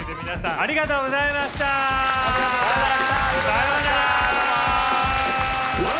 ありがとうございました！さようなら。